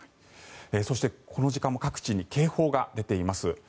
そしてこの時間も各地に警報が出ています。